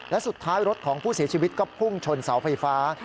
และสุดท้ายรถของผู้เสียชีวิตก็พุ่งชนเสาไฟฟ้า